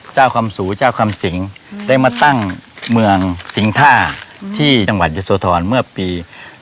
เจ้าความสูร์เจ้าความสิงห์ได้มาตั้งเมืองสิงท่าที่จังหวัดยศทรเมื่อปี๒๓๑๒๒๓๒๐